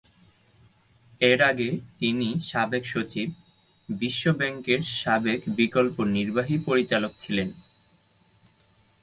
এর আগে তিনি সাবেক সচিব, বিশ্ব ব্যাংকের সাবেক বিকল্প নির্বাহী পরিচালক ছিলেন।